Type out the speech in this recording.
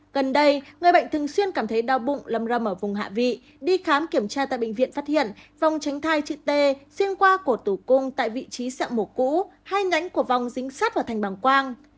gần đây người bệnh thường xuyên cảm thấy đau bụng lâm râm ở vùng hạ vị đi khám kiểm tra tại bệnh viện phát hiện vòng tránh thai chữ t xuyên qua cổ tử cung tại vị trí sẹo mổ cũ hai nhánh của vòng dính sắt vào thành bảng quang